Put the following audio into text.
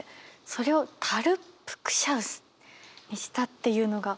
それを「タルップ・ク・シャウス」にしたっていうのが。